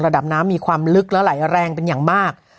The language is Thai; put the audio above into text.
ระดับน้ำมีความลึกและไหลแรงเป็นอย่างมาก